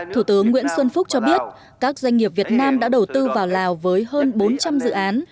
thủ tướng nguyễn xuân phúc cho biết các doanh nghiệp việt nam đã đầu tư vào lào với hơn bốn trăm linh dự án